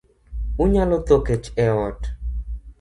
Unyalo tho kech e ot.